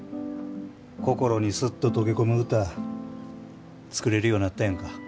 心にスッと溶け込む歌作れるようなったやんか。